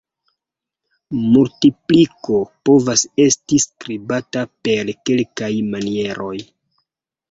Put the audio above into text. Multipliko povas esti skribata per kelkaj manieroj.